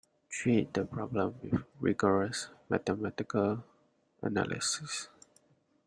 Treat the problem with rigorous mathematical analysis.